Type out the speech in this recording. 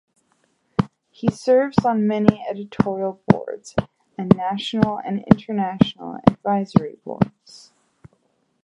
He serves on many editorial boards and national and international advisory boards.